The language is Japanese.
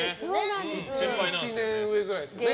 １年上くらいですよね